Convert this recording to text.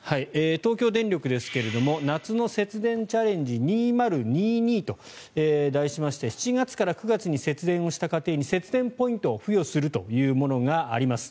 東京電力ですが夏の節電チャレンジ２０２２と題しまして７月から９月に節電した家庭に節電ポイントを付与するというものがあります。